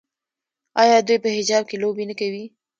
آیا دوی په حجاب کې لوبې نه کوي؟